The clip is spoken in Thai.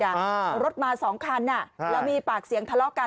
เรารถมา๒คันแล้วมีปากเสียงทะเลาะกัน